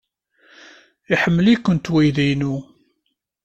Iḥemmel-ikent uydi-inu.